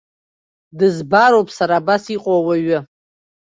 Дызбароуп сара абас иҟоу ауаҩы.